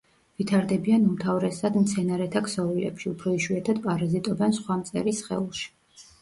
ვითარდებიან უმთავრესად მცენარეთა ქსოვილებში, უფრო იშვიათად პარაზიტობენ სხვა მწერის სხეულში.